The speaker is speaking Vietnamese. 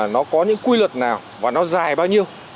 nó có những quy luật nào và nó dài bao nhiêu